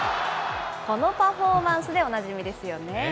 このパフォーマンスでおなじみですよね。